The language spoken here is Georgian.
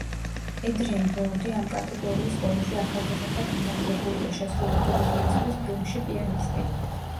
ედრიენ ბროუდი ამ კატეგორიის ყველაზე ახალგაზრდა გამარჯვებულია შესრულებული როლისთვის ფილმში „პიანისტი“.